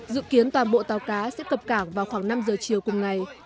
dự kiến toàn bộ tàu cá sẽ cập cảng vào khoảng năm giờ chiều cùng ngày